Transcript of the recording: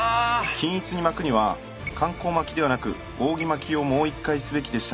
均一に巻くには環行巻きではなく扇巻きをもう一回すべきでしたね。